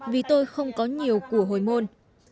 vì tôi không có nhiều của hồi môn